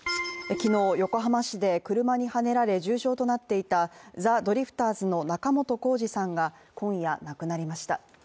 昨日横浜市で車にはねられ重傷となっていたザ・ドリフターズの仲本工事さんが今夜亡くなりました。